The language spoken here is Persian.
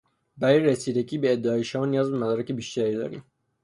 برای رسیدگی به ادعای شما نیاز به مدارک بیشتری داریم.